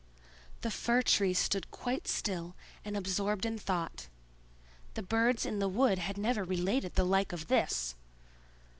The Fir tree stood quite still and absorbed in thought: the birds in the wood had never related the like of this.